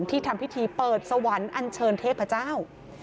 ทำพิธีเปิดสวรรค์อันเชิญเทพเจ้า